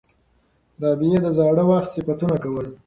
رابعې د زاړه وخت صفتونه کول.